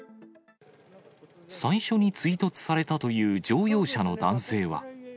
最初に追突されたという乗用車の男性は。